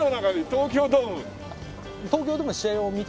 東京ドームで試合を見た事は？